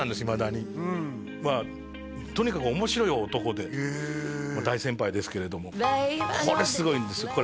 いまだにまあとにかく面白い男で大先輩ですけれどもこれすごいんです